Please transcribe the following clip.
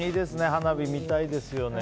花火、見たいですよね。